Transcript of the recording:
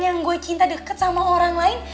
yang gue cinta dekat sama orang lain